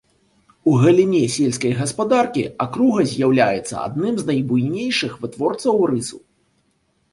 У галіне сельскай гаспадаркі акруга з'яўляецца адным з найбуйнейшых вытворцаў рысу.